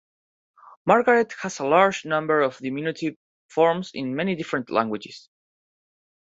Margaret has a large number of diminutive forms in many different languages.